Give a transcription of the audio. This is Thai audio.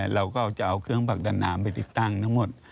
เราก็จะเอาเครื่องผลักดันน้ำไปติดตั้งทั้งหมด